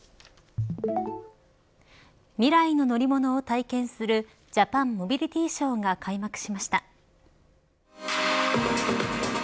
未来の乗り物を体験するジャパンモビリティショーが開幕しました。